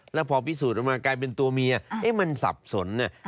แล้วพอพิสูจน์ออกมากลายเป็นตัวเมียมันสับสน